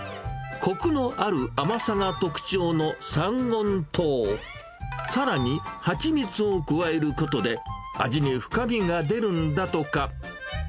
こくのある甘さが特徴の三温糖、さらに蜂蜜を加えることで、味に深みが出るんだとか。